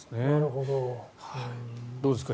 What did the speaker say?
どうですか？